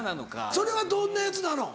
それはどんなやつなの？